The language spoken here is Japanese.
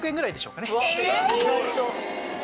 意外と！